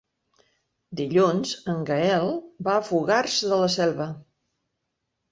Dilluns en Gaël va a Fogars de la Selva.